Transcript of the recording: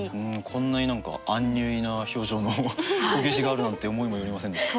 こんなに何かアンニュイな表情のこけしがあるなんて思いも寄りませんでした。